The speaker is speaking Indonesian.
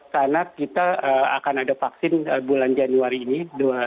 karena kita akan ada vaksin bulan januari ini